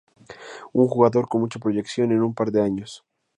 Un jugador con mucha proyección en un par de años.